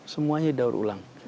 semuanya daur ulang